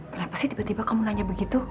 kenapa sih tiba tiba kamu nanya begitu